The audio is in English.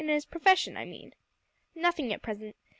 his profession, I mean?" "Nothing at present.